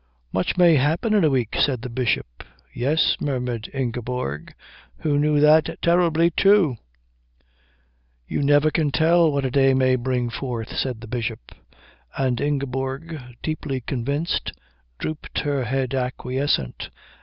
"Much may happen in a week," said the Bishop. "Yes," murmured Ingeborg, who knew that terribly, too. "We never can tell what a day may bring forth," said the Bishop; and Ingeborg, deeply convinced, drooped her head acquiescent.